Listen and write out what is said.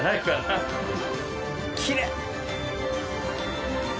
きれい！